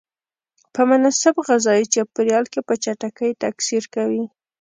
په مناسب غذایي چاپیریال کې په چټکۍ تکثر کوي.